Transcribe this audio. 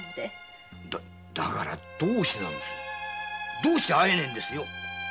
どうして会えねえんですよ